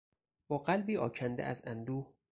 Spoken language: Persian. با قلبی آکنده از اندوه